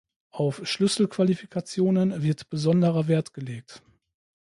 Auf Schlüsselqualifikationen wird besonderer Wert gelegt.